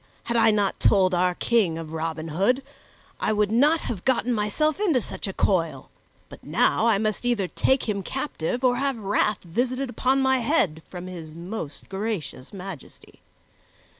Had I not told our King of Robin Hood, I would not have gotten myself into such a coil; but now I must either take him captive or have wrath visited upon my head from his most gracious Majesty.